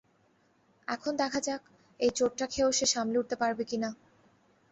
এখন দেখা যাক, এই চোটটা খেয়েও সে সামলে উঠতে পারে কিনা।